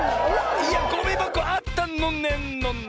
いやゴミばこあったのねんのねん！